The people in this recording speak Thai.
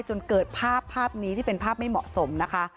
จนเกิดภาพภาพนี้ที่เป็นภาพไม่เหมาะสมนะคะ